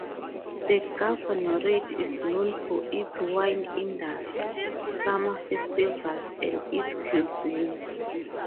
The governorate is known for its wine industry, summer festivals, and its cuisine.